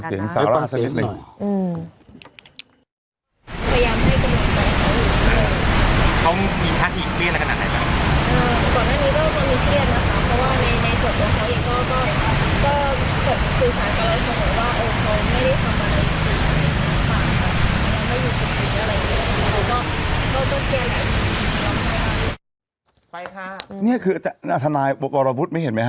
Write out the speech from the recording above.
ไปค่ะนี่คือทนายวรวุฒิไม่เห็นไหมฮ